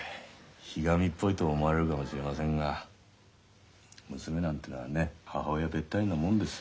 ひがみっぽいと思われるかもしれませんが娘なんてのはね母親べったりなもんです。